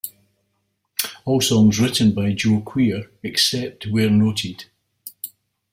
All songs written by Joe Queer, except where noted.